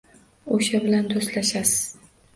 O`sha bilan do`stlashasiz